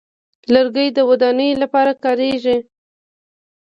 لرګی د ودانیو لپاره کارېږي.